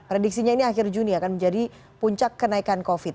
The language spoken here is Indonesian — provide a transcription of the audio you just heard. rediksinya ini akhir juni akan menjadi puncak kenaikan covid sembilan belas